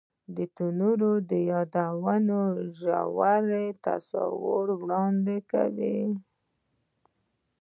تنور د یادونو ژور تصویر وړاندې کوي